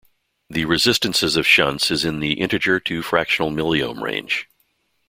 The resistances of shunts is in the integer to fractional milliohm range.